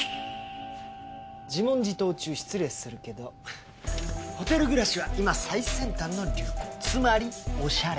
自問自答中失礼するけどホテル暮らしは今最先端の流行つまりおしゃれ。